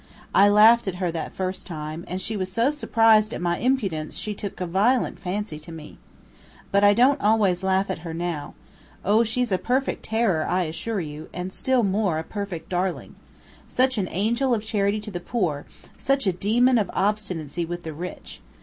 I laughed at her that first time, and she was so surprised at my impudence she took a violent fancy to me. But I don't always laugh at her now. Oh, she's a perfect terror, I assure you and a still more perfect darling! Such an angel of charity to the poor, such a demon of obstinacy with the rich!